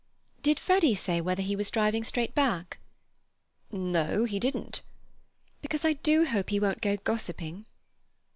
"Did Freddy say whether he was driving straight back?" "No, he didn't." "Because I do hope he won't go gossiping."